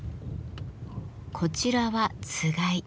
こちらはつがい。